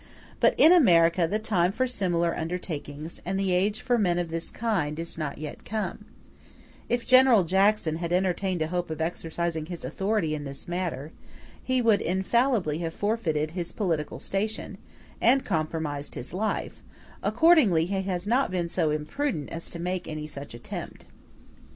But in America the time for similar undertakings, and the age for men of this kind, is not yet come: if General Jackson had entertained a hope of exercising his authority in this manner, he would infallibly have forfeited his political station, and compromised his life; accordingly he has not been so imprudent as to make any such attempt.